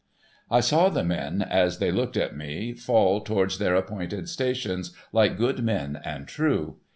I saw the men, as they looked at me, fall towards their appointed stations, like good men and true.